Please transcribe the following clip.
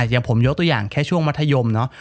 อย่างผมยกตัวอย่างแค่ช่วงมัธยมเนอะ